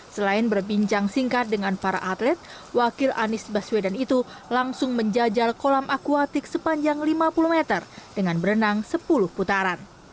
selain berbincang singkat dengan para atlet wakil anies baswedan itu langsung menjajal kolam akuatik sepanjang lima puluh meter dengan berenang sepuluh putaran